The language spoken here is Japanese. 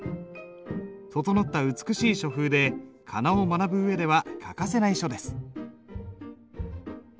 整った美しい書風で仮名を学ぶ上では欠かせない書です。